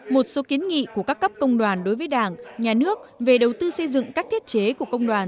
một số kiến nghị của các cấp công đoàn đối với đảng nhà nước về đầu tư xây dựng các thiết chế của công đoàn